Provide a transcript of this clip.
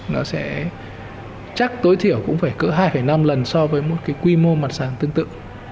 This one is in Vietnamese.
nó sẽ chắc tối thiểu cũng phải cỡ hai năm lần so với một cái quy mô mặt sàn tương tự